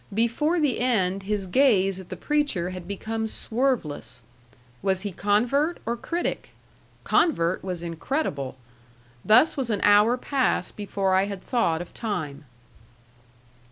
Before the end his gaze at the preacher had become swerveless. Was he convert or critic? Convert was incredible. Thus was an hour passed before I had thought of time.